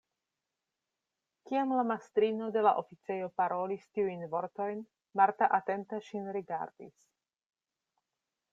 Kiam la mastrino de la oficejo parolis tiujn vortojn, Marta atente ŝin rigardis.